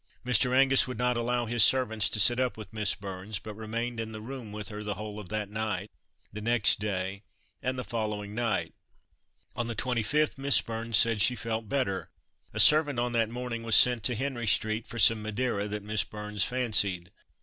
Mr. Angus would not allow his servants to sit up with Miss Burns, but remained in the room with her the whole of that night, the next day, and the following night. On the 25th Miss Burns said she felt better. A servant on that morning was sent to Henry street for some Madeira that Miss Burns fancied.